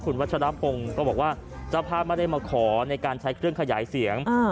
คุณวัชรพงศ์ก็บอกว่าเจ้าภาพไม่ได้มาขอในการใช้เครื่องขยายเสียง